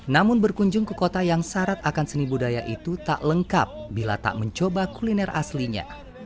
namun berkunjung ke kota yang syarat akan seni budaya itu tak lengkap bila tak mencoba kuliner aslinya